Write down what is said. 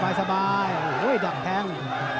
อ๋อยสบายโอ้โห้ยดับแทง